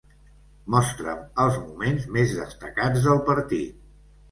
Mostra'm els moments més destacats del partit.